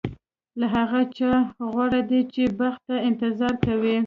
له هغه چا غوره دی چې بخت ته انتظار کوي.